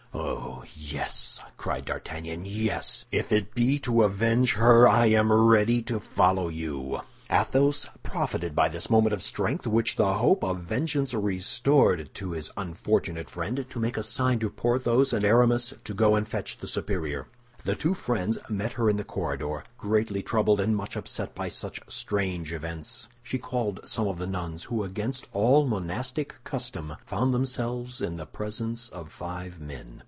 "Oh, yes!" cried D'Artagnan, "yes! If it be to avenge her, I am ready to follow you." Athos profited by this moment of strength which the hope of vengeance restored to his unfortunate friend to make a sign to Porthos and Aramis to go and fetch the superior. The two friends met her in the corridor, greatly troubled and much upset by such strange events; she called some of the nuns, who against all monastic custom found themselves in the presence of five men.